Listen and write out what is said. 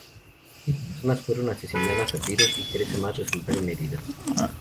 Diez personas fueron asesinadas a tiros y trece más resultaron heridas.